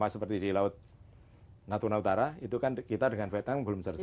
seperti di laut natuna utara itu kan kita dengan vietnam belum selesai